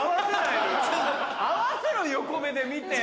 合わせろ横目で見て！